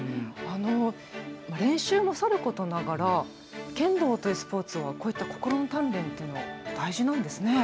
練習もさることながら剣道というスポーツは心の鍛錬というのが大事なんですね。